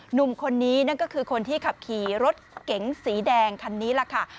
หนุ่มคนนี้นั่นก็คือคนที่ขับขี่รถเก๋งสีแดงคันนี้แหละค่ะ